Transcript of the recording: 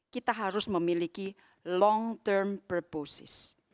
kita harus memiliki long term purposes